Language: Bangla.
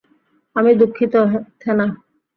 আমি দুঃখিত, থেনা।